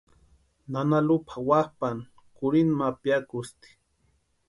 Nana Lupa wapʼani kurhinta ma piakusti.